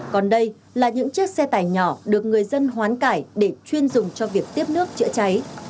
còn đây là những chiếc xe tải nhỏ được người dân hoán cải để chuyên dùng cho việc tiếp nước chữa cháy